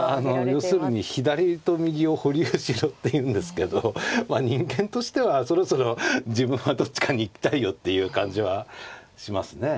要するに左と右を保留しろって言うんですけどまあ人間としてはそろそろ自分はどっちかに行きたいよっていう感じはしますね。